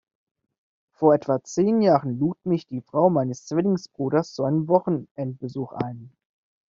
Vor etwa zehn Jahren lud mich die Frau meines Zwillingsbruders zu einem Wochenendbesuch ein.